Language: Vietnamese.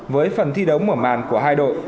với phần thi đấu mở màn của hai đội